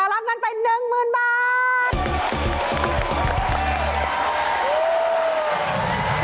รับกันเป็น๑๐๐๐๐บาท